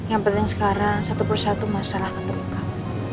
yang penting sekarang satu persatu masalah akan terungkap